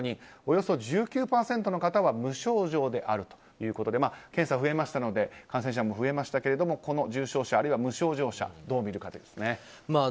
およそ１９％の方は無症状であるということで検査が増えましたので感染者も増えましたけど重症者、無症状者をどう見るかですかね。